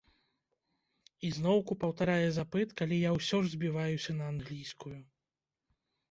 І зноўку паўтарае запыт, калі я ўсё ж збіваюся на англійскую.